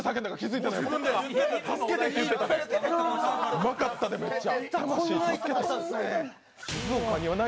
うまかったで、めっちゃ。